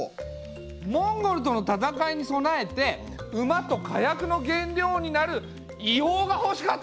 モンゴルとの戦いに備えて馬と火薬の原料になる硫黄がほしかったんだ！